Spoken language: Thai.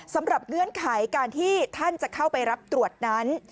เงื่อนไขการที่ท่านจะเข้าไปรับตรวจนั้น